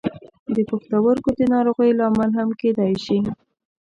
د پښتورګو د ناروغیو لامل هم کیدای شي.